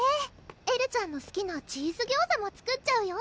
エルちゃんのすきなチーズギョーザも作っちゃうよ